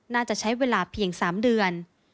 น่าจะใช้เวลาเพียง๓เดือน